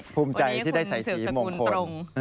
ภูมิใจที่ได้ใส่สีมงคล